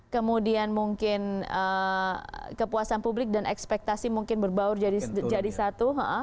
kemudian mungkin kepuasan publik dan ekspektasi mungkin berbaur jadi satu